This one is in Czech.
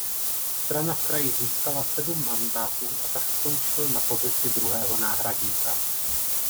Strana v kraji získala sedm mandátů a tak skončil na pozici druhého náhradníka.